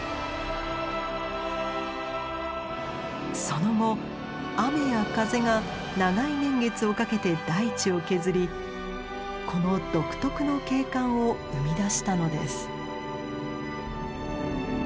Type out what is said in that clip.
その後雨や風が長い年月をかけて大地を削りこの独特の景観を生み出したのです。